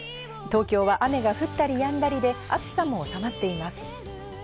東京は雨が降ったり、やんだりで暑さもおさまっています。